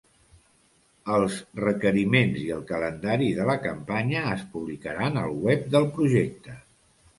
Els requeriments i el calendari de la campanya es publicaran al web del projecte.